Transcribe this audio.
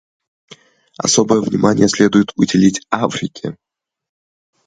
Особое внимание следует уделить Африке.